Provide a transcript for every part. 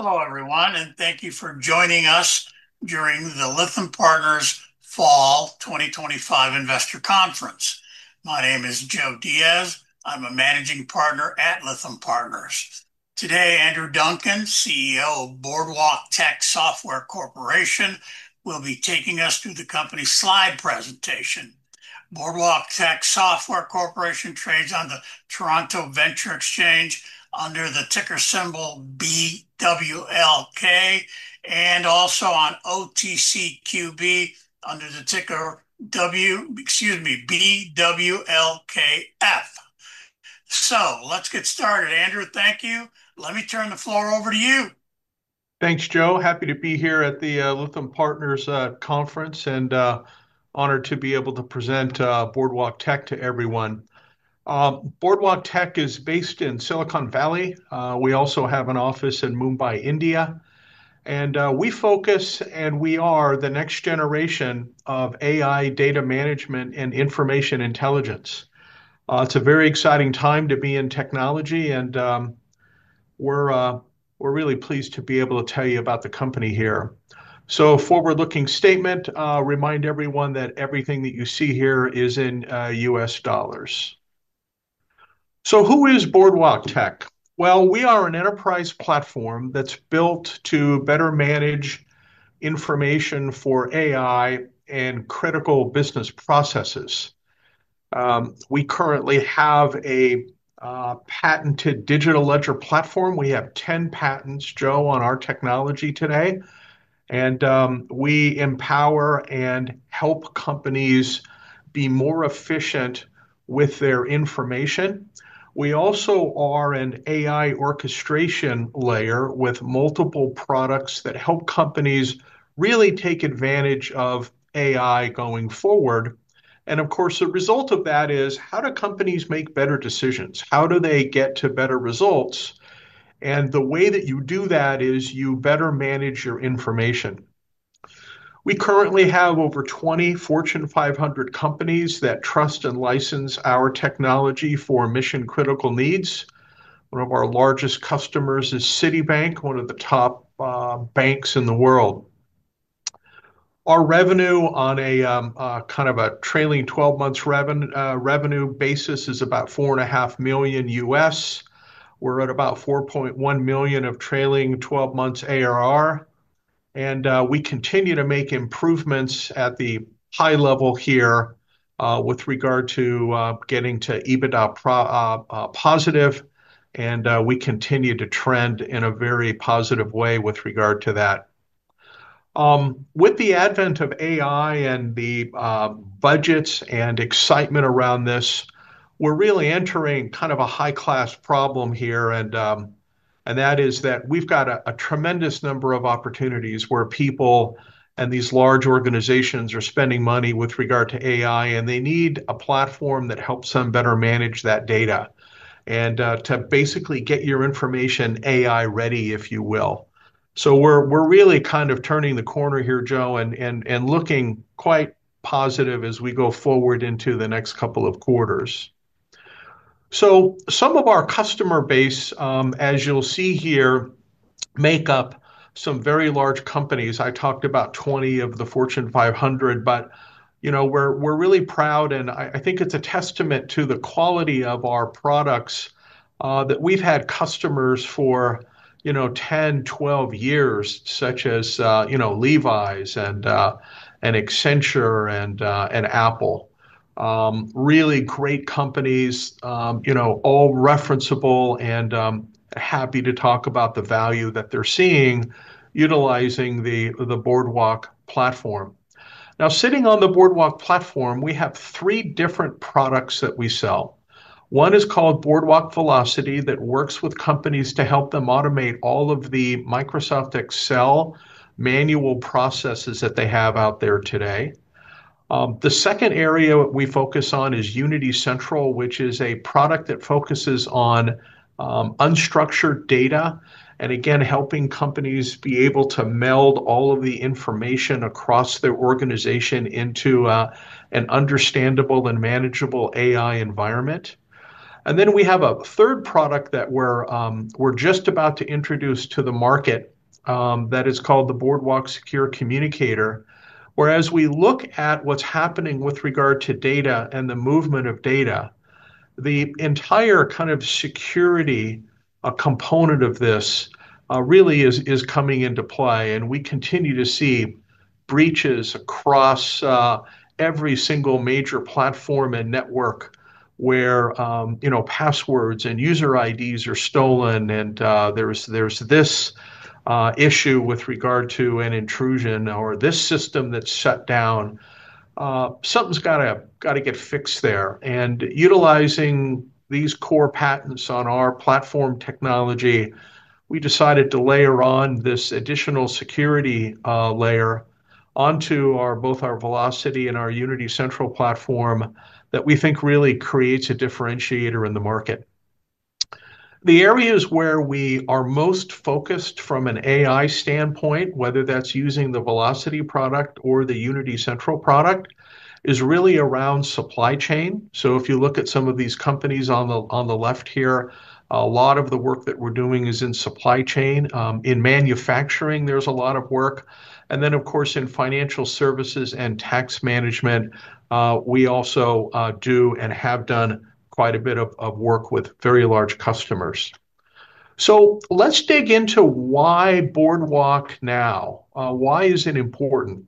Hello everyone, and thank you for joining us during the Lytham Partners Fall 2025 Investor Conference. My name is Joe Diaz. I'm a Managing Partner at Lytham Partners. Today, Andrew Duncan, CEO of Boardwalktech Software Corporation, will be taking us through the company's slide presentation. Boardwalktech Software Corporation trades on the TSX Venture Exchange under the ticker symbol BWLK, and also on OTCQB under the ticker BWLKF. Let's get started. Andrew, thank you. Let me turn the floor over to you. Thanks, Joe. Happy to be here at the Lytham Partners Conference and honored to be able to present Boardwalktech to everyone. Boardwalktech is based in Silicon Valley. We also have an office in Mumbai, India, and we focus, and we are the next generation of AI data management and information intelligence. It's a very exciting time to be in technology, and we're really pleased to be able to tell you about the company here. A forward-looking statement: remind everyone that everything that you see here is in U.S dollars. Who is Boardwalktech? We are an enterprise platform that's built to better manage information for AI and critical business processes. We currently have a patented Digital Ledger Technology Platform. We have 10 patents, Joe, on our technology today, and we empower and help companies be more efficient with their information. We also are an AI orchestration layer with multiple products that help companies really take advantage of AI going forward. The result of that is how do companies make better decisions? How do they get to better results? The way that you do that is you better manage your information. We currently have over 20 Fortune 500 companies that trust and license our technology for mission-critical needs. One of our largest customers is Citibank, one of the top banks in the world. Our revenue on a kind of a trailing 12-month revenue basis is about $4.5 million. We're at about $4.1 million of trailing 12 months ARR, and we continue to make improvements at the high level here with regard to getting to EBITDA positive, and we continue to trend in a very positive way with regard to that. With the advent of AI and the budgets and excitement around this, we're really entering kind of a high-class problem here, and that is that we've got a tremendous number of opportunities where people and these large organizations are spending money with regard to AI, and they need a platform that helps them better manage that data and to basically get your information AI-ready, if you will. We're really kind of turning the corner here, Joe, and looking quite positive as we go forward into the next couple of quarters. Some of our customer base, as you'll see here, make up some very large companies. I talked about 20 of the Fortune 500, but you know we're really proud, and I think it's a testament to the quality of our products that we've had customers for 10, 12 years, such as Levi, Accenture, and Apple. Really great companies, all referenceable and happy to talk about the value that they're seeing utilizing the Boardwalktech platform. Now, sitting on the Boardwalktech platform, we have three different products that we sell. One is called Boardwalk Velocity that works with companies to help them automate all of the Microsoft Excel manual processes that they have out there today. The second area we focus on is Unity Central, which is a product that focuses on unstructured data and, again, helping companies be able to meld all of the information across their organization into an understandable and manageable AI environment. We have a third product that we're just about to introduce to the market that is called the Boardwalk Secure Communicator, where as we look at what's happening with regard to data and the movement of data, the entire kind of security component of this really is coming into play, and we continue to see breaches across every single major platform and network where passwords and user IDs are stolen, and there's this issue with regard to an intrusion or this system that's shut down. Something's got to get fixed there, and utilizing these core patents on our platform technology, we decided to layer on this additional security layer onto both our Velocity and our Unity Central platform that we think really creates a differentiator in the market. The areas where we are most focused from an AI standpoint, whether that's using the Velocity product or the Unity Central product, is really around supply chain. If you look at some of these companies on the left here, a lot of the work that we're doing is in supply chain. In manufacturing, there's a lot of work, and in financial services and tax management, we also do and have done quite a bit of work with very large customers. Let's dig into why Boardwalktech now. Why is it important?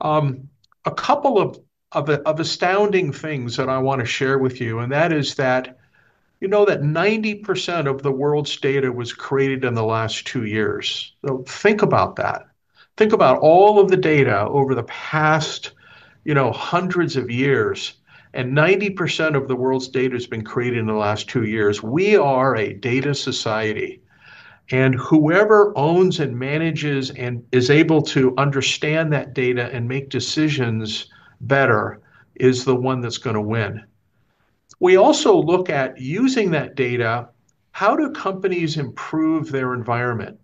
A couple of astounding things that I want to share with you, and that is that you know that 90% of the world's data was created in the last two years. Think about that. Think about all of the data over the past hundreds of years, and 90% of the world's data has been created in the last two years. We are a data society, and whoever owns and manages and is able to understand that data and make decisions better is the one that's going to win. We also look at using that data. How do companies improve their environment?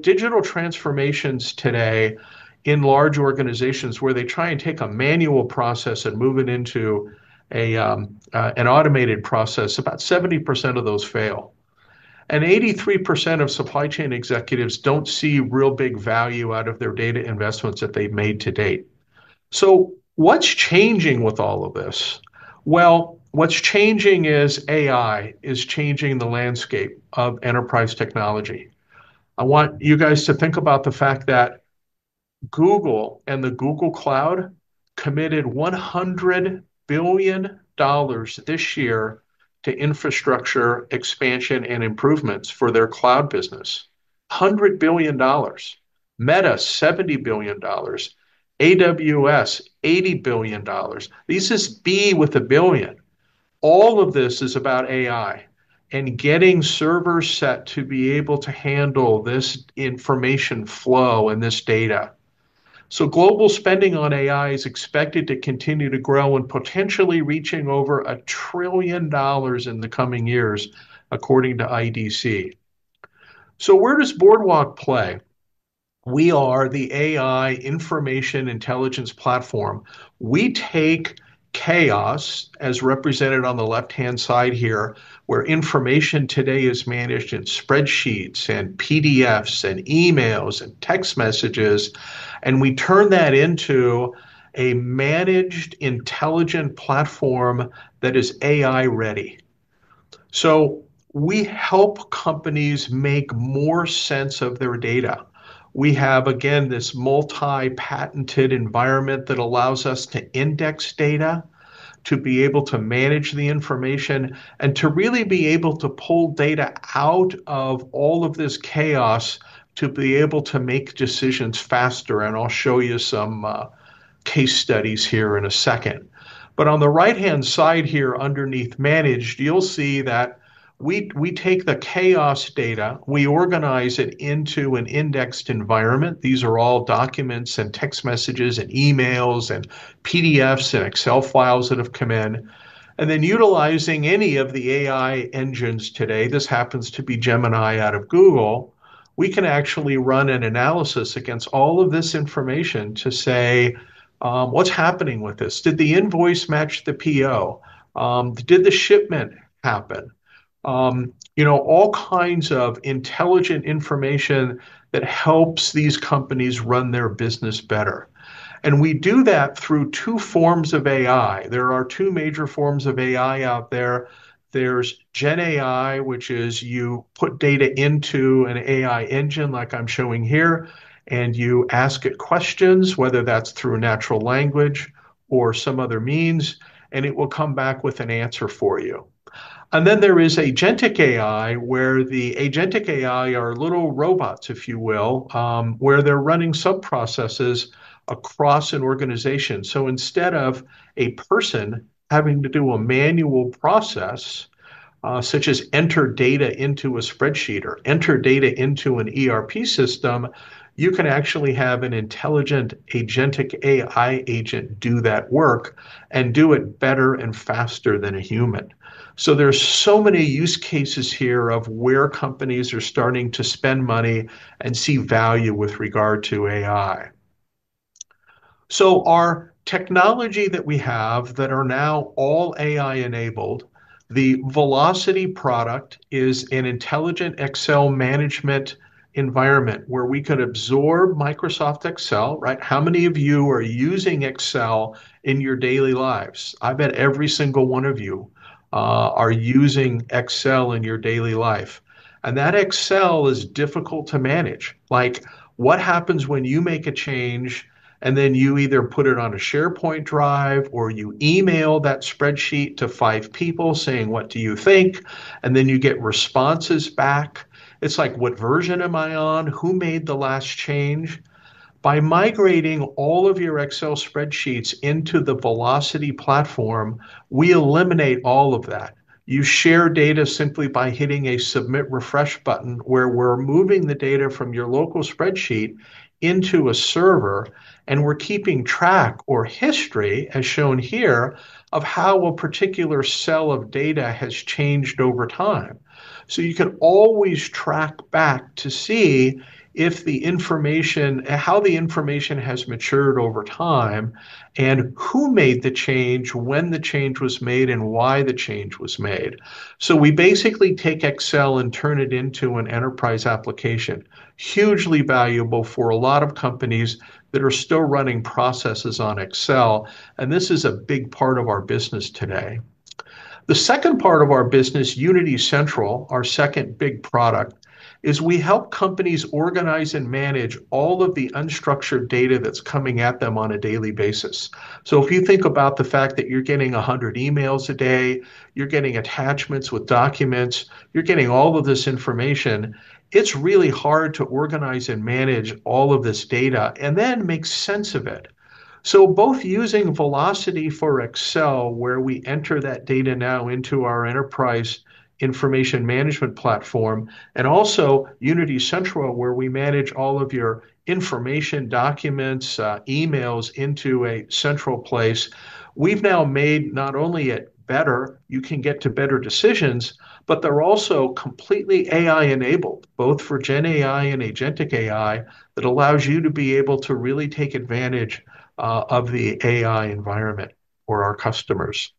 Digital transformations today in large organizations where they try and take a manual process and move it into an automated process, about 70% of those fail, and 83% of supply chain executives don't see real big value out of their data investments that they've made to date. What's changing with all of this? AI is changing the landscape of enterprise technology. I want you guys to think about the fact that Google and the Google Cloud committed $100 billion this year to infrastructure expansion and improvements for their cloud business. $100 billion. Meta, $70 billion. AWS, $80 billion. This is B with a billion. All of this is about AI and getting servers set to be able to handle this information flow and this data. Global spending on AI is expected to continue to grow and potentially reach over $1 trillion in the coming years, according to IDC. Where does Boardwalktech play? We are the AI information intelligence platform. We take chaos, as represented on the left-hand side here, where information today is managed in spreadsheets and PDFs and emails and text messages, and we turn that into a managed intelligent platform that is AI-ready. We help companies make more sense of their data. We have, again, this multi-patented environment that allows us to index data, to be able to manage the information, and to really be able to pull data out of all of this chaos to be able to make decisions faster. I'll show you some case studies here in a second. On the right-hand side here, underneath managed, you'll see that we take the chaos data, we organize it into an indexed environment. These are all documents and text messages and emails and PDFs and Excel files that have come in. Utilizing any of the AI engines today, this happens to be Gemini out of Google, we can actually run an analysis against all of this information to say, what's happening with this? Did the invoice match the PO? Did the shipment happen? All kinds of intelligent information that helps these companies run their business better. We do that through two forms of AI. There are two major forms of AI out there. There's GenAI, which is you put data into an AI engine like I'm showing here, and you ask it questions, whether that's through natural language or some other means, and it will come back with an answer for you. There is Agentic AI, where the Agentic AI are little robots, if you will, where they're running sub-processes across an organization. Instead of a person having to do a manual process, such as enter data into a spreadsheet or enter data into an ERP system, you can actually have an intelligent Agentic AI agent do that work and do it better and faster than a human. There are so many use cases here of where companies are starting to spend money and see value with regard to AI. Our technology that we have that are now all AI-enabled, the Velocity product is an intelligent Excel management environment where we can absorb Microsoft Excel. Right? How many of you are using Excel in your daily lives? I bet every single one of you are using Excel in your daily life. That Excel is difficult to manage. Like what happens when you make a change and then you either put it on a SharePoint drive or you email that spreadsheet to five people saying, what do you think? You get responses back. It's like, what version am I on? Who made the last change? By migrating all of your Excel spreadsheets into the Velocity platform, we eliminate all of that. You share data simply by hitting a submit refresh button where we're moving the data from your local spreadsheet into a server, and we're keeping track or history, as shown here, of how a particular cell of data has changed over time. You can always track back to see if the information, how the information has matured over time, and who made the change, when the change was made, and why the change was made. We basically take Excel and turn it into an enterprise application, hugely valuable for a lot of companies that are still running processes on Excel. This is a big part of our business today. The second part of our business, Unity Central, our second big product, is we help companies organize and manage all of the unstructured data that's coming at them on a daily basis. If you think about the fact that you're getting 100 emails a day, you're getting attachments with documents, you're getting all of this information, it's really hard to organize and manage all of this data and then make sense of it. Both using Velocity for Excel, where we enter that data now into our enterprise information management platform, and also Unity Central, where we manage all of your information, documents, emails into a central place, we've now made not only it better, you can get to better decisions, but they're also completely AI-enabled, both for GenAI and Agentic AI, that allows you to be able to really take advantage of the AI environment for our customers.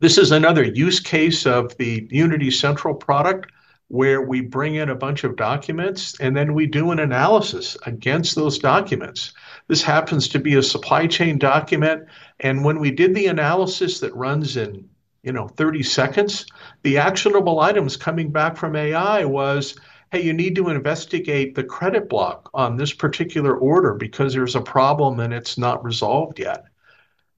This is another use case of the Unity Central product, where we bring in a bunch of documents and then we do an analysis against those documents. This happens to be a supply chain document, and when we did the analysis that runs in, you know, 30 seconds, the actionable items coming back from AI was, hey, you need to investigate the credit block on this particular order because there's a problem and it's not resolved yet.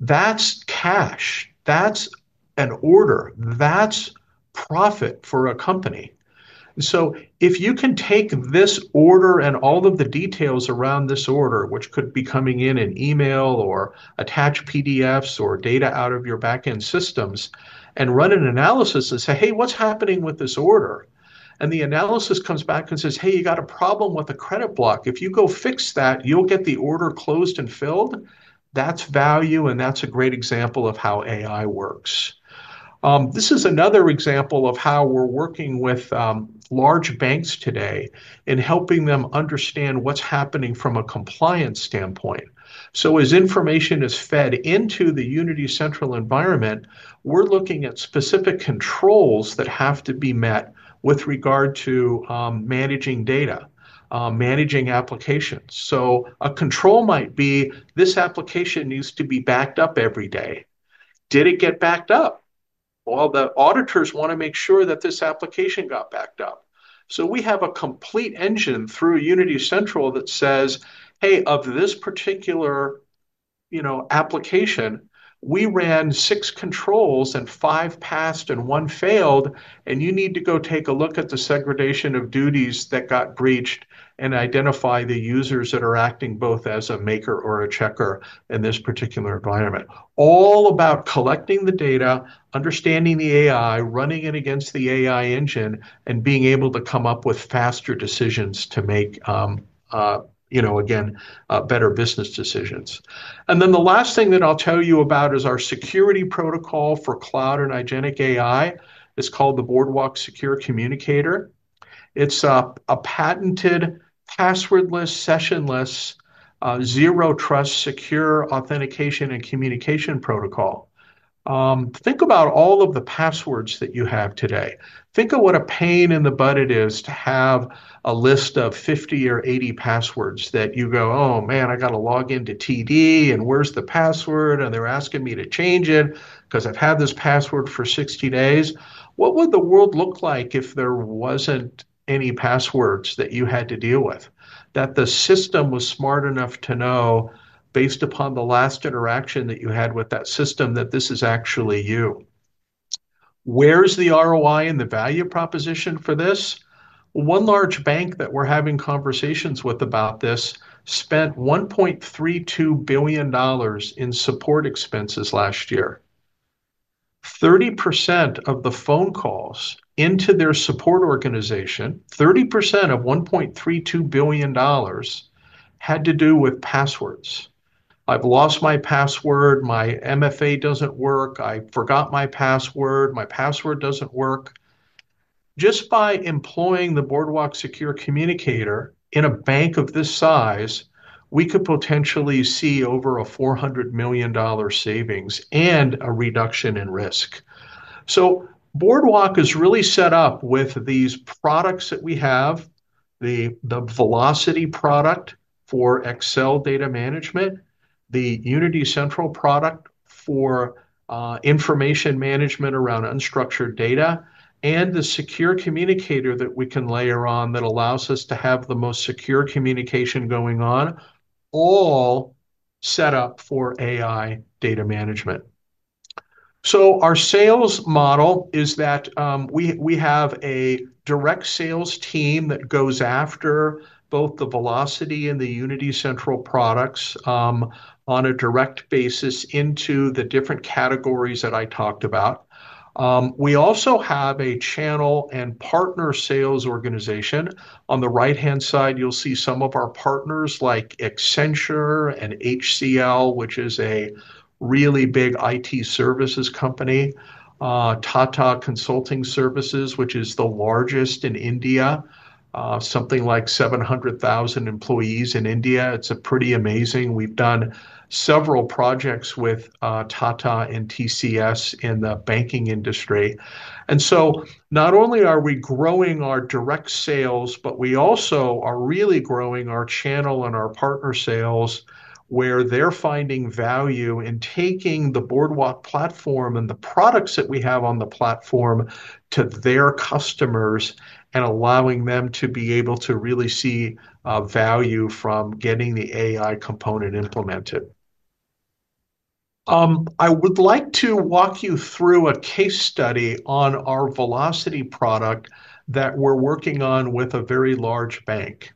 That's cash. That's an order. That's profit for a company. If you can take this order and all of the details around this order, which could be coming in an email or attached PDFs or data out of your backend systems, and run an analysis and say, hey, what's happening with this order? The analysis comes back and says, hey, you got a problem with the credit block. If you go fix that, you'll get the order closed and filled. That's value, and that's a great example of how AI works. This is another example of how we're working with large banks today in helping them understand what's happening from a compliance standpoint. As information is fed into the Unity Central environment, we're looking at specific controls that have to be met with regard to managing data, managing applications. A control might be this application needs to be backed up every day. Did it get backed up? The auditors want to make sure that this application got backed up. We have a complete engine through Unity Central that says, hey, of this particular, you know, application, we ran six controls and five passed and one failed, and you need to go take a look at the segregation of duties that got breached and identify the users that are acting both as a maker or a checker in this particular environment. All about collecting the data, understanding the AI, running it against the AI engine, and being able to come up with faster decisions to make, you know, again, better business decisions. The last thing that I'll tell you about is our security protocol for cloud and identic AI. It's called the Boardwalk Secure Communicator. It's a patented, passwordless, sessionless, zero trust, secure authentication and communication protocol. Think about all of the passwords that you have today. Think of what a pain in the butt it is to have a list of 50 or 80 passwords that you go, oh man, I got to log into TD and where's the password and they're asking me to change it because I've had this password for 60 days. What would the world look like if there weren't any passwords that you had to deal with? That the system was smart enough to know, based upon the last interaction that you had with that system, that this is actually you. Where's the ROI and the value proposition for this? One large bank that we're having conversations with about this spent $1.32 billion in support expenses last year. 30% of the phone calls into their support organization, 30% of $1.32 billion, had to do with passwords. I've lost my password, my MFA doesn't work, I forgot my password, my password doesn't work. Just by employing the Boardwalk Secure Communicator in a bank of this size, we could potentially see over a $400 million savings and a reduction in risk. Boardwalktech is really set up with these products that we have, the Velocity product for Excel data management, the Unity Central product for information management around unstructured data, and the Secure Communicator that we can layer on that allows us to have the most secure communication going on, all set up for AI data management. Our sales model is that we have a direct sales team that goes after both the Velocity and the Unity Central products on a direct basis into the different categories that I talked about. We also have a channel and partner sales organization. On the right-hand side, you'll see some of our partners like Accenture and HCL, which is a really big IT services company, Tata Consultancy Services, which is the largest in India, something like 700,000 employees in India. It's pretty amazing. We've done several projects with Tata and TCS in the banking industry. Not only are we growing our direct sales, we also are really growing our channel and our partner sales where they're finding value in taking the Boardwalk platform and the products that we have on the platform to their customers and allowing them to be able to really see value from getting the AI component implemented. I would like to walk you through a case study on our Velocity product that we're working on with a very large bank.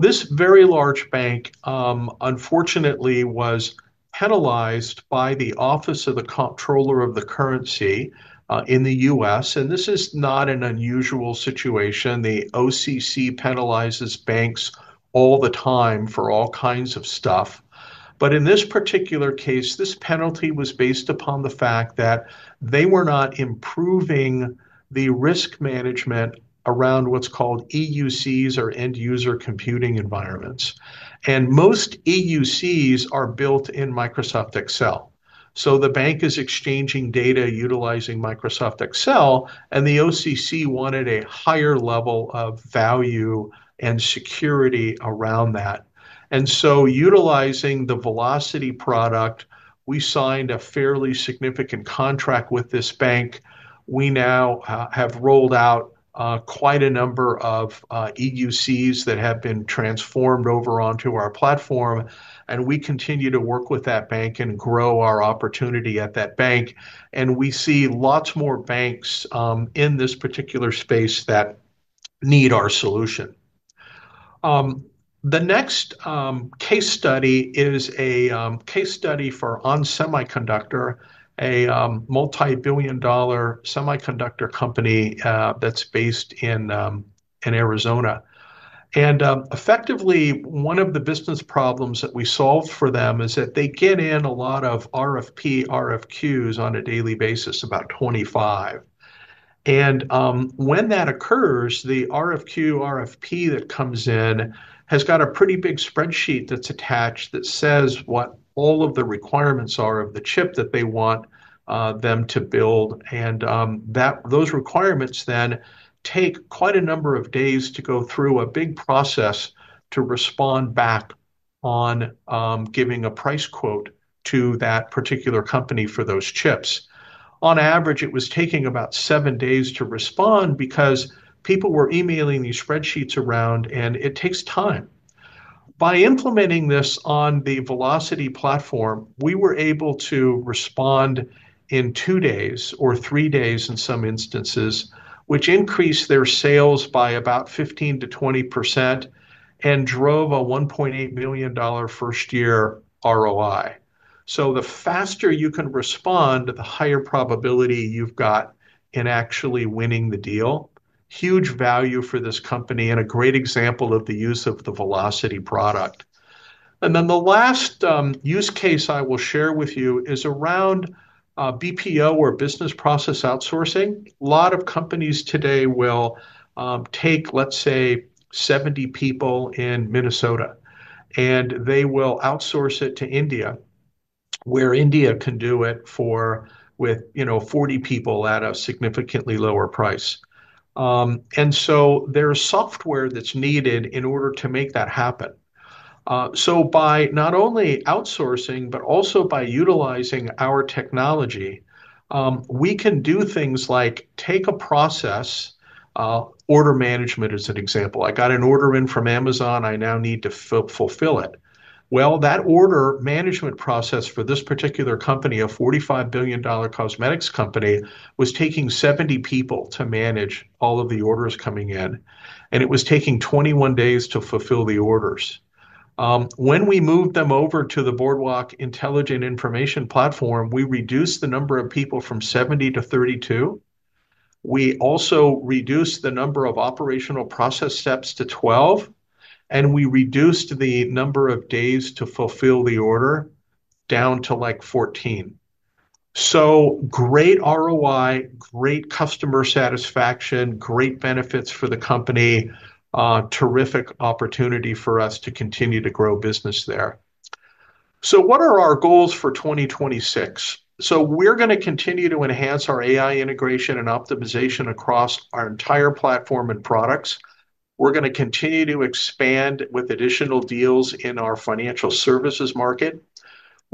This very large bank, unfortunately, was penalized by the Office of the Comptroller of the Currency in the U.S. This is not an unusual situation. The OCC penalizes banks all the time for all kinds of stuff. In this particular case, this penalty was based upon the fact that they were not improving the risk management around what's called EUCs or End User Computing environments. Most EUCs are built in Microsoft Excel. The bank is exchanging data utilizing Microsoft Excel, and the OCC wanted a higher level of value and security around that. Utilizing the Velocity product, we signed a fairly significant contract with this bank. We now have rolled out quite a number of EUCs that have been transformed over onto our platform. We continue to work with that bank and grow our opportunity at that bank. We see lots more banks in this particular space that need our solution. The next case study is a case study for ON Semiconductor, a multi-billion dollar semiconductor company that's based in Arizona. Effectively, one of the business problems that we solve for them is that they get in a lot of RFP, RFQs on a daily basis, about 25. When that occurs, the RFQ, RFP that comes in has got a pretty big spreadsheet that's attached that says what all of the requirements are of the chip that they want them to build. Those requirements then take quite a number of days to go through a big process to respond back on giving a price quote to that particular company for those chips. On average, it was taking about seven days to respond because people were emailing these spreadsheets around, and it takes time. By implementing this on the Velocity platform, we were able to respond in two days or three days in some instances, which increased their sales by about 15%-20% and drove a $1.8 million first-year ROI. The faster you can respond, the higher probability you've got in actually winning the deal. Huge value for this company and a great example of the use of the Velocity product. The last use case I will share with you is around BPO or business process outsourcing. A lot of companies today will take, let's say, 70 people in Minnesota, and they will outsource it to India, where India can do it with, you know, 40 people at a significantly lower price. There is software that's needed in order to make that happen. By not only outsourcing, but also by utilizing our technology, we can do things like take a process, order management as an example. I got an order in from Amazon. I now need to fulfill it. That order management process for this particular company, a $45 billion cosmetics company, was taking 70 people to manage all of the orders coming in, and it was taking 21 days to fulfill the orders. When we moved them over to the Boardwalk Intelligent Information Platform, we reduced the number of people from 70 to 32. We also reduced the number of operational process steps to 12, and we reduced the number of days to fulfill the order down to 14. Great ROI, great customer satisfaction, great benefits for the company, terrific opportunity for us to continue to grow business there. What are our goals for 2026? We are going to continue to enhance our AI integration and optimization across our entire platform and products. We are going to continue to expand with additional deals in our financial services market.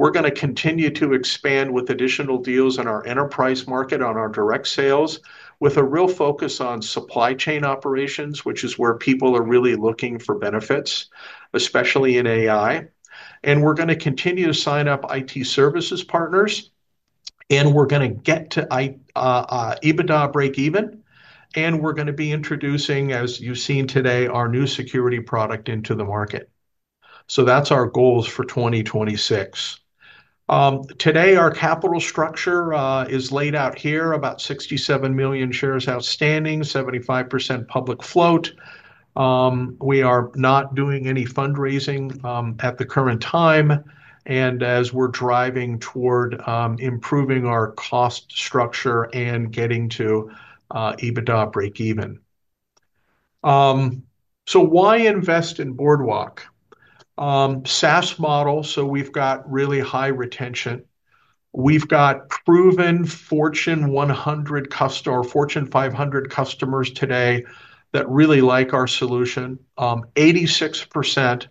We are going to continue to expand with additional deals in our enterprise market on our direct sales, with a real focus on supply chain operations, which is where people are really looking for benefits, especially in AI. We are going to continue to sign up IT services partners, and we are going to get to EBITDA break even, and we are going to be introducing, as you've seen today, our new security product into the market. That's our goals for 2026. Today, our capital structure is laid out here, about 67 million shares outstanding, 75% public float. We are not doing any fundraising at the current time, and as we're driving toward improving our cost structure and getting to EBITDA break even. Why invest in Boardwalktech Software Corporation? SaaS model, so we've got really high retention. We've got proven Fortune 100 or Fortune 500 customers today that really like our solution. 86%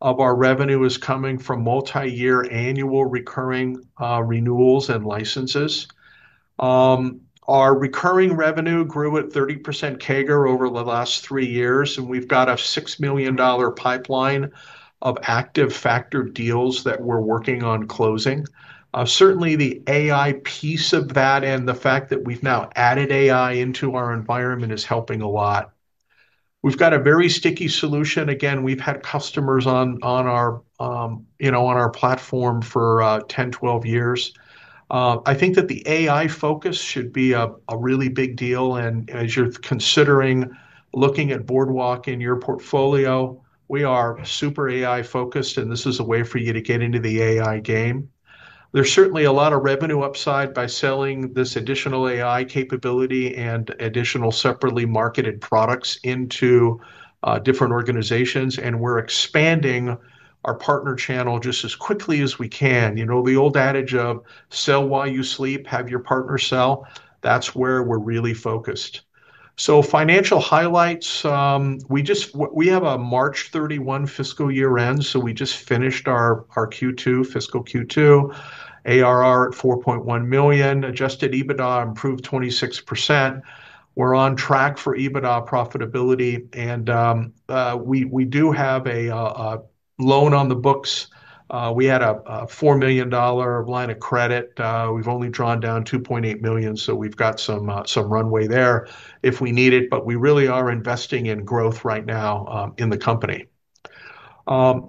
of our revenue is coming from multi-year annual recurring renewals and licenses. Our recurring revenue grew at 30% CAGR over the last three years, and we've got a $6 million pipeline of active factor deals that we're working on closing. Certainly, the AI piece of that and the fact that we've now added AI into our environment is helping a lot. We've got a very sticky solution. We've had customers on our platform for 10, 12 years. I think that the AI focus should be a really big deal, and as you're considering looking at Boardwalk in your portfolio, we are super AI focused, and this is a way for you to get into the AI game. There's certainly a lot of revenue upside by selling this additional AI capability and additional separately marketed products into different organizations, and we're expanding our partner channel just as quickly as we can. You know, the old adage of sell while you sleep, have your partner sell, that's where we're really focused. Financial highlights, we have a March 31 fiscal year end, so we just finished our Q2, fiscal Q2, ARR at $4.1 million, adjusted EBITDA improved 26%. We're on track for EBITDA profitability, and we do have a loan on the books. We had a $4 million line of credit. We've only drawn down $2.8 million, so we've got some runway there if we need it, but we really are investing in growth right now in the company.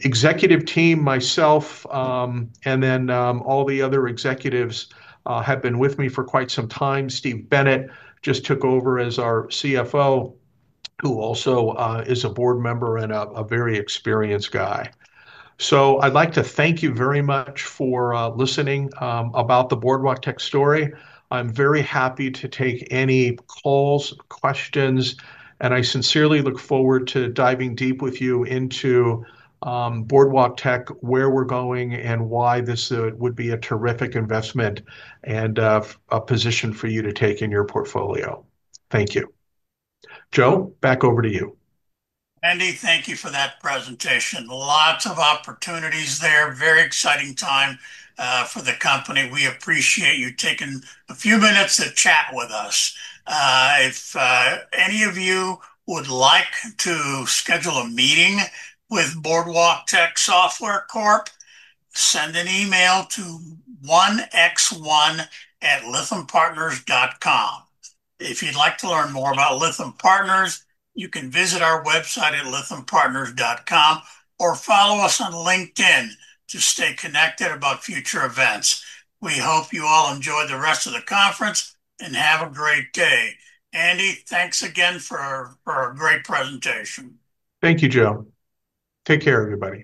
Executive team, myself, and then all the other executives have been with me for quite some time. Steve Bennett just took over as our CFO, who also is a board member and a very experienced guy. I'd like to thank you very much for listening about the Boardwalktech story. I'm very happy to take any calls, questions, and I sincerely look forward to diving deep with you into Boardwalktech, where we're going, and why this would be a terrific investment and a position for you to take in your portfolio. Thank you. Joe, back over to you. Andy, thank you for that presentation. Lots of opportunities there, very exciting time for the company. We appreciate you taking a few minutes to chat with us. If any of you would like to schedule a meeting with Boardwalktech Software Corp, send an email to 1x1@lythampartners.com. If you'd like to learn more about Lytham Partners, you can visit our website at lythampartners.com or follow us on LinkedIn to stay connected about future events. We hope you all enjoy the rest of the conference and have a great day. Andy, thanks again for a great presentation. Thank you, Joe. Take care of you, buddy.